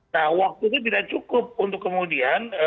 nah waktunya tidak cukup untuk kemudian